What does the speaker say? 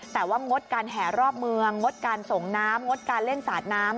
แต่ว่างดการแห่รอบเมืองงดการส่งน้ำงดการเล่นสาดน้ำ